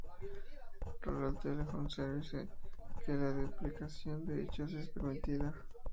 Rural Telephone Service que la duplicación de hechos es permitida.